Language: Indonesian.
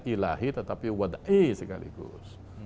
ilahi tetapi wadai sekaligus